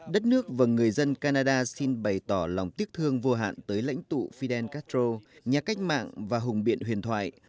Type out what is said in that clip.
đất nước và người dân canada xin bày tỏ lòng tiếc thương vô hạn tới lãnh tụ fidel castro nhà cách mạng và hùng biện huyền thoại